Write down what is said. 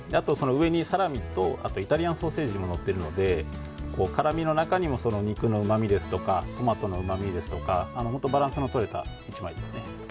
上にサラミとイタリアンソーセージものっているので辛みの中にも肉のうまみやトマトのうまみですとかバランスの取れた１枚です。